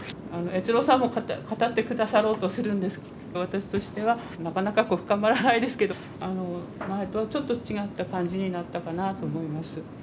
悦郎さんも語って下さろうとするんですけど私としてはなかなか深まらないですけど前とはちょっと違った感じになったかなと思います。